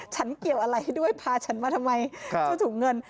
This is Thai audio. เกี่ยวอะไรด้วยพาฉันมาทำไมฉันถูกเงิน